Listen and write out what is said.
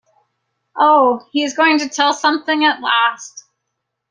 Oh, he is going to tell something at last!